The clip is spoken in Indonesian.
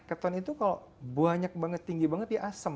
keton itu kalau banyak banget tinggi banget ya asem